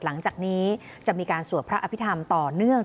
หลังจากนี้จะมีการสวดพระอภิษฐรรมต่อเนื่อง